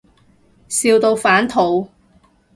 笑到反肚